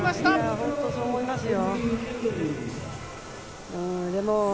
本当にそう思いますよ。